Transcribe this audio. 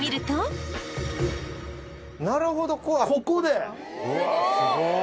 なるほどここでスゴッ！